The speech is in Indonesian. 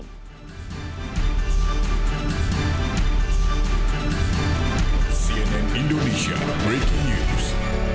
sampai jumpa di manasianai indonesia breaking news